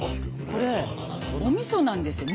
これお味噌なんですよ。